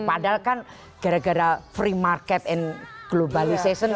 padahal kan gara gara free market and globalization